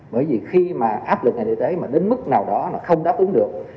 bởi vì khi mà áp lực ngành y tế mà đến mức nào đó là không đáp ứng được